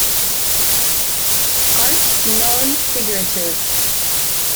Art non figurativ.